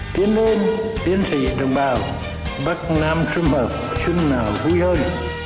tiến lên tiến xỉ đồng bào bắc nam chung hợp chung nào vui hơn